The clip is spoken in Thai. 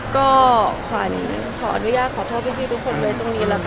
ขออนุญาตขอโทษให้ทุกคนไว้ตรงนี้